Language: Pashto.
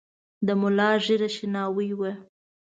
د ملا ږیره شناوۍ وه .